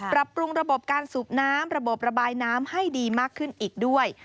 ปรับปรุงระบบการสูบน้ำระบบระบายน้ำให้ดีมากขึ้นอีกด้วย